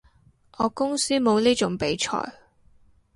我公司冇呢種比賽